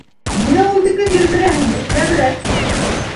— Ниңә ул тиклем елдерәһең, ипләберәк!